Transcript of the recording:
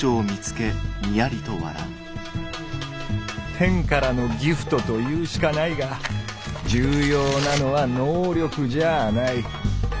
天からの「ギフト」と言うしかないが重要なのは「能力」じゃあない。